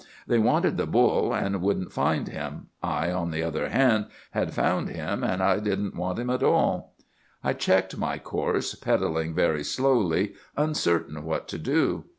They wanted the bull, and wouldn't find him. I, on the other hand, had found him, and I didn't want him at all. "'I checked my course, pedalling very slowly, uncertain what to do.